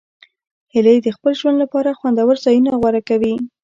هیلۍ د خپل ژوند لپاره خوندور ځایونه غوره کوي